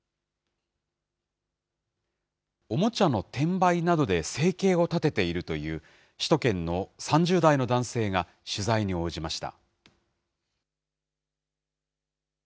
おもちゃの転売などで生計を立てているという、首都圏の３０代の男性が、取材に応じました。